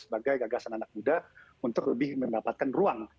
sebagai gagasan anak muda untuk lebih mendapatkan ruang